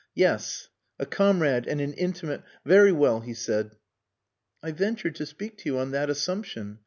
"Yes, a comrade and an intimate.... Very well," he said. "I ventured to speak to you on that assumption.